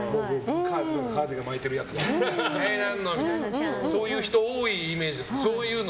カーディガン巻いてるやつとかそういう人が多いイメージですけど。